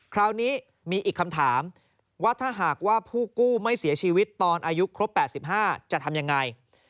คราวนี้มีอีกคำถามว่าถ้าหากว่าผู้กู้ไม่เสียชีวิตตอนอายุครบ๘๕จะทำยังไง